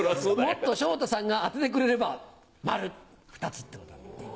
「もっと昇太さんが当ててくれれば丸２つ」ってことで。